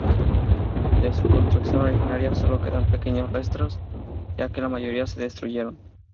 De su construcción originaria sólo quedan pequeños restos, ya que la mayoría se destruyeron.